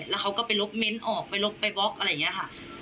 แล้วเขาก็ไปลบเมนต์ออกไปลบไปบล็อกอะไรอย่างนี้ค่ะ